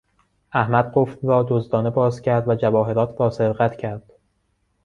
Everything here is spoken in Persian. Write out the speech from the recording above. احمد قفل را دزدانه باز کرد و جواهرات را سرقت کرد.